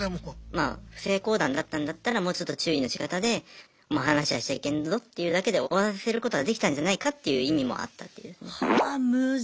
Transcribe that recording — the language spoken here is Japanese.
まあ不正交談だったんだったらもうちょっと注意のしかたでもう話はしちゃいけんぞって言うだけで終わらせることはできたんじゃないかっていう意味もあったっていうね。